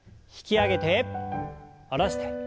引き上げて下ろして。